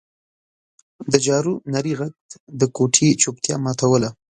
د جارو نري غږ د کوټې چوپتیا ماتوله.